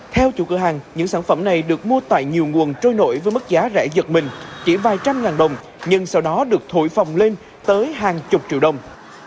theo chủ cửa hàng những sản phẩm này được mua tại nhiều nguồn trôi nổi với mức giá rẻ giật mình chỉ vài trăm ngàn đồng nhưng sau đó được thổi phòng lên tới hàng chục triệu đồng